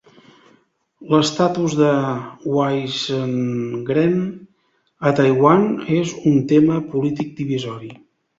L'estatus de "waishengren" a Taiwan és un tema polític divisori.